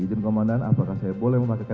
izin ke mandan apakah saya boleh memakai